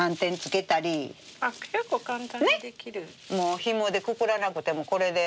ひもでくくらなくてもこれで。